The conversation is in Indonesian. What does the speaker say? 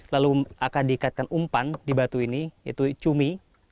lalu akan diikatkan umpan di batu ini yaitu cumi